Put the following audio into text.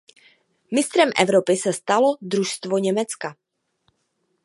Mistrem Evropy se stalo družstvo Německa.